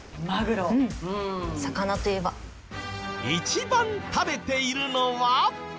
一番食べているのは。